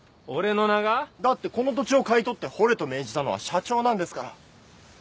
俺の名が？だってこの土地を買い取って掘れと命じたのは社長なんですから。